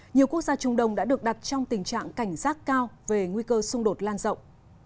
nhiều quốc gia trung đông đã được đặt trong tình trạng cảnh giác cao về nguy cơ xung đột lan rộng